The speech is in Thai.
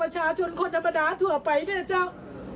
ประชาชนคนธรรมดาทั่วไปเนี่ยเจ้า